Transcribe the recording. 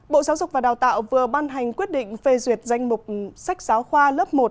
bộ giáo dục và đào tạo vừa ban hành quyết định phê duyệt danh mục sách giáo khoa lớp một